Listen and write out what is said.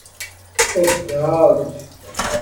اِبتهاج